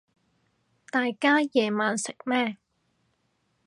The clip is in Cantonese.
大家夜晚食咩